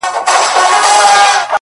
خوشحال په دې يم چي ذهين نه سمه-